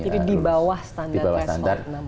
jadi di bawah standar tiga ratus enam puluh